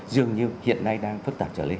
dường như hiện nay đang phức tạp trở lên